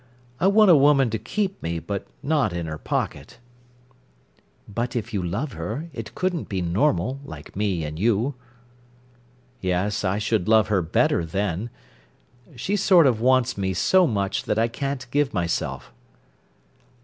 I want a woman to keep me, but not in her pocket." "But if you love her, it couldn't be normal, like me and you." "Yes; I should love her better then. She sort of wants me so much that I can't give myself."